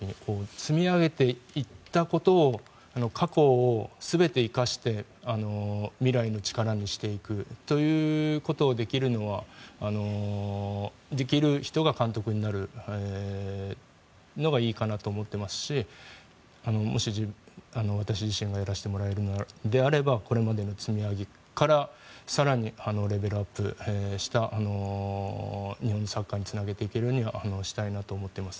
積み上げていったことを過去を全て生かして未来の力にしていくということをできる人が監督になるのがいいかなと思っていますしもし、私自身がやらせてもらえるのであればこれまでの積み上げから更にレベルアップした日本サッカーにつなげていけるようにしたいなと思っています。